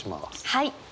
はい。